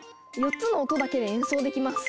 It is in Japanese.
４つの音だけで演奏できます！